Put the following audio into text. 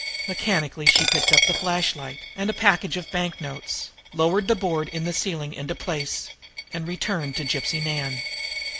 Mechanically she picked up the flashlight and a package of the banknotes, lowered the board in the ceiling into place, and returned to Gypsy Nan.